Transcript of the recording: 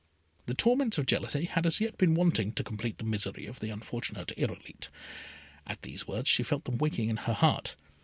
The torments of jealousy had as yet been wanting, to complete the misery of the unfortunate Irolite. At these words she felt them waking in her heart.